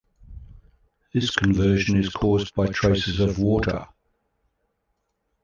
This conversion is caused by traces of water.